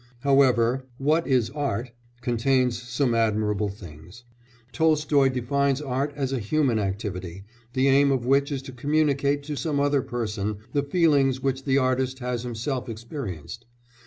However, What is Art? contains some admirable things. Tolstoy defines art as a human activity, the aim of which is to communicate to some other person the feelings which the artist has himself experienced.